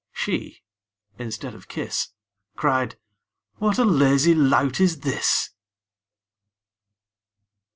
She, instead of kiss, Cried, 'What a lazy lout is this!'